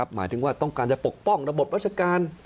หมายถึงว่าต้องการจะปกป้องระบบราชการ